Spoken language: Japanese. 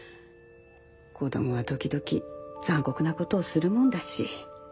子どもは時々残酷なことをするもんだし。